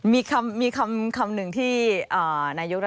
มีคำนึงที่นายกรัฐมงตรีพูดด้วยบอกว่า